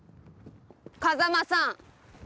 風真さん。